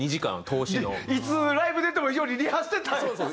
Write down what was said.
いつライブ出てもいいようにリハしてたんや。